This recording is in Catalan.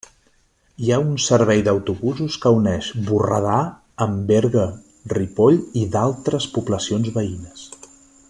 Hi ha un servei d'autobusos que uneixen Borredà amb Berga, Ripoll i d'altres poblacions veïnes.